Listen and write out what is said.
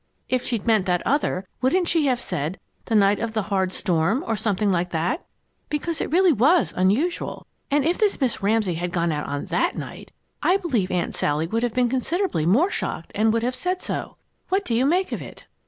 If she'd meant that other, wouldn't she have said 'the night of the hard storm,' or something like that? Because it really was unusual, and if this Miss Ramsay had gone out that night, I believe Aunt Sally would have been considerably more shocked and would have said so. What do you make of it?"